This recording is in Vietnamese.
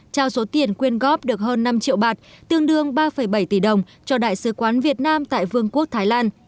trao số tiền quyên góp được hơn năm triệu bạt tương đương ba bảy tỷ đồng cho đại sứ quán việt nam tại vương quốc thái lan